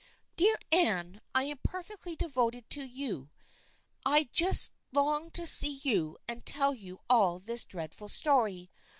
" Dear Anne, I am so perfectly devoted to you I just long to see you and tell you all this dreadful story.